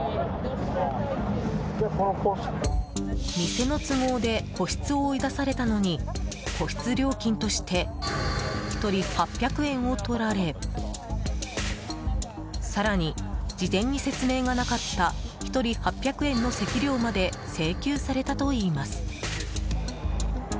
店の都合で個室を追い出されたのに個室料金として１人８００円を取られ更に、事前に説明がなかった１人８００円の席料まで請求されたといいます。